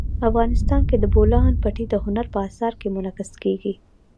افغانستان کې د بولان پټي د هنر په اثار کې منعکس کېږي.